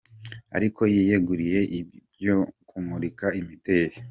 ariko yiyeguriye ibyo kumurika imideli.